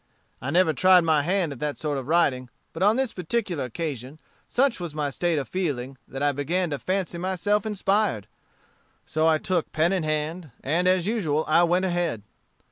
I never tried my hand at that sort of writing but on this particular occasion such was my state of feeling, that I began to fancy myself inspired; so I took pen in hand, and as usual I went ahead.